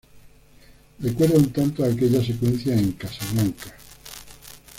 Recuerda un tanto a aquella secuencia en "Casablanca".